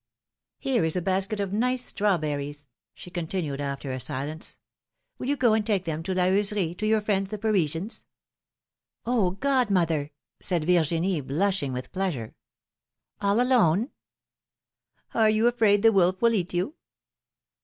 Here is a basket of nice straw berries,'^ she continued after a silence; will you go and take them to La Heuserie, to your friends, the Parisians?" Oh, godmother !" said Virginie, blushing with plea sure. ^'All alone ?" ^^Are you afraid the wolf will eat you?"